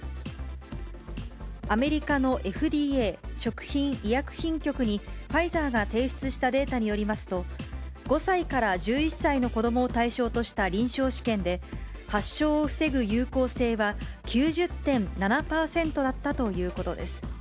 アメリカのＦＤＡ・食品医薬品局にファイザーが提出したデータによりますと、５歳から１１歳の子どもを対象とした臨床試験で、発症を防ぐ有効性は９０．７％だったということです。